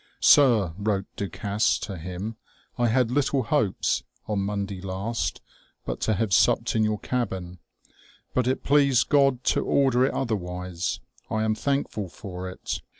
" Sir/' wrote Du Gasse to him, " I had little hopes, on Monday last, but to have supp'd in your cabbin ; but it pleased God to order it otherwise. I am thankful for it.